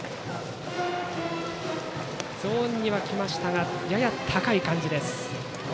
ゾーンには来ましたがやや高い感じです。